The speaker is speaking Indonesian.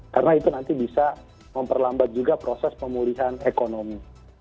karena itu nanti bisa memperlambat juga proses pemulihan ekonomi